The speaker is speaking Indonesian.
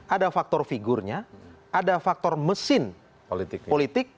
ada faktor figurnya ada faktor mesin politik